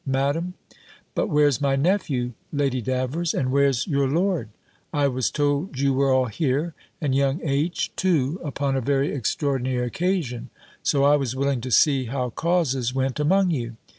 Madam. But where's my nephew, Lady Davers? And where's your lord? I was told you were all here, and young H. too upon a very extraordinary occasion; so I was willing to see how causes went among you.